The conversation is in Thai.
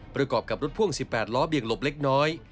ประกอบกับรถพ่วง๑๘ล้อเบี่ยงหลบเล็กน้อย